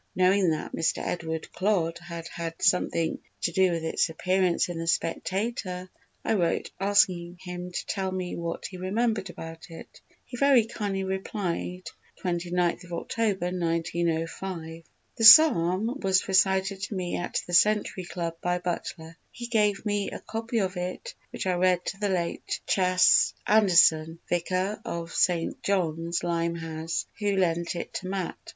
Knowing that Mr. Edward Clodd had had something to do with its appearance in the Spectator I wrote asking him to tell me what he remembered about it. He very kindly replied, 29_th_ October, 1905: "The 'Psalm' was recited to me at the Century Club by Butler. He gave me a copy of it which I read to the late Chas. Anderson, Vicar of S. John's, Limehouse, _who lent it to Matt.